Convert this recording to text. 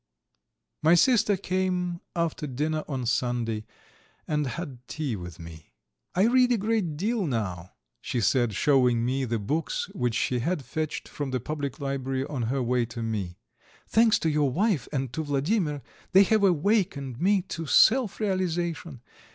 XVII My sister came after dinner on Sunday and had tea with me. "I read a great deal now," she said, showing me the books which she had fetched from the public library on her way to me. "Thanks to your wife and to Vladimir, they have awakened me to self realization.